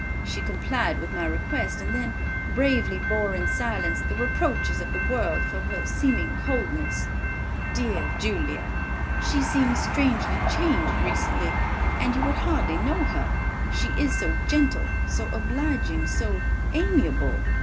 She complied with my request, and then bravely bore in silence the reproaches of the world for her seeming coldness. "Dear Julia! She seems strangely changed recently, and you would hardly know her, she is so gentle, so obliging, so amiable.